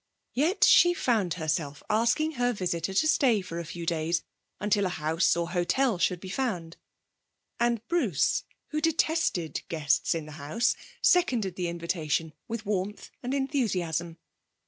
Yet she found herself asking her visitor to stay for a few days until a house or a hotel should be found; and Bruce, who detested guests in the house, seconded the invitation with warmth and enthusiasm.